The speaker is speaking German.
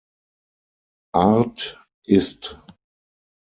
Art ist.